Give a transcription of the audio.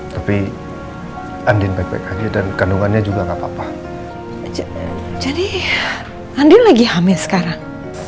tapi andin baik baik aja dan kandungannya juga nggak apa apa aja jadi andi lagi hamil sekarang